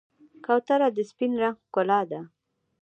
کوتره د سپین رنګ ښکلا ده.